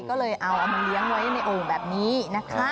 ก็เลยเอามาเลี้ยงไว้ในโอ่งแบบนี้นะคะ